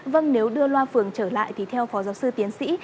vâng nếu đưa loa phường trở lại thì theo phó giáo sư tiến sĩ